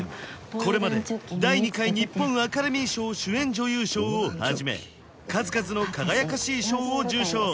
これまで第２回日本アカデミー賞主演女優賞をはじめ数々の輝かしい賞を受賞